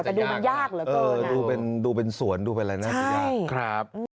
แต่ดูมันยากเหลือเกินดูเป็นสวนดูเป็นอะไรน่าจะยากครับ